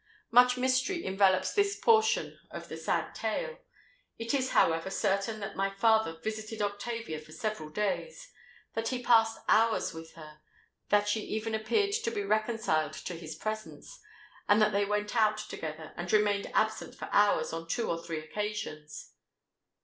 Much mystery envelopes this portion of the sad tale: it is, however, certain that my father visited Octavia for several days—that he passed hours with her—that she even appeared to be reconciled to his presence—and that they went out together, and remained absent for hours, on two or three occasions.